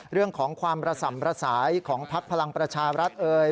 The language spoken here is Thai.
เรื่องของความระส่ำระสายของพักพลังประชารัฐเอ่ย